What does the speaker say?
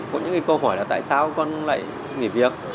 có những câu hỏi là tại sao con lại nghỉ việc